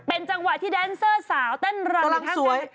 เป็นจังหวะที่แดนเซอร์สาวแต้นรัมทั้งทั้งกำลังสวย